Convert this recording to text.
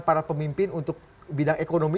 para pemimpin untuk bidang ekonomi